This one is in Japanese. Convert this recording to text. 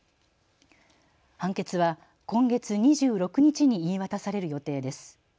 判決は今月２６日に言い渡される予定です。